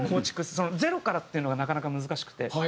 ゼロからっていうのがなかなか難しくて。